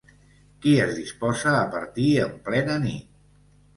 Qui es disposa a partir en plena nit?